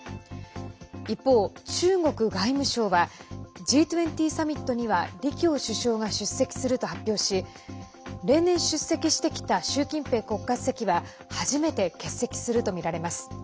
一方、中国外務省はＧ２０サミットには李強首相が出席すると発表し例年、出席してきた習近平国家主席は初めて欠席するとみられます。